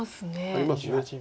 あります。